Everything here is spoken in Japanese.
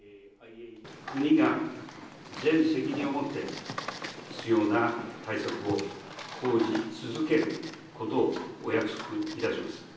国が全責任を持って、必要な対策を講じ続けることをお約束いたします。